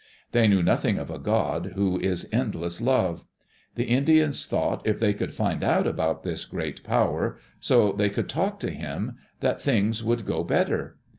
They knew nothing of a God who is endless love. The Indians thought if they could find out about this Great Power, so they could talk to him, that things would go better.